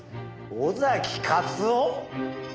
「尾崎克夫」？